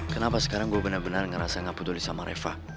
kenapa sekarang gue benar benar ngerasa gak peduli sama reva